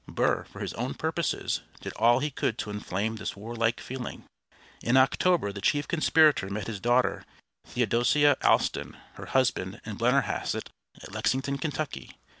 Burr, for his own purposes, did all he could to inflame this warlike feeling. In October the chief conspirator met his daughter, Theodosia Alston, her husband, and Blennerhassett at Lexington, Kentucky.